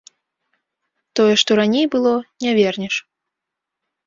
Тое, што раней было, не вернеш.